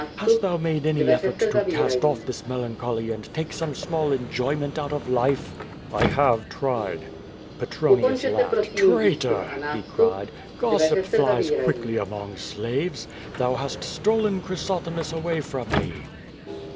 Hast thou made any efTort to i:ist off this melancholy and take some small enjoyment out ol lile?" 232 Q^O VADI8. "I have tried/' Petronius laughed. "Traitor!" he cried. "Gossip flies quickly among slaves. Thou hast stolen Chrysothemis away from me."